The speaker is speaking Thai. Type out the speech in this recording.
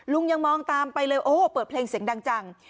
ยังมองตามไปเลยโอ้เปิดเพลงเสียงดังจัง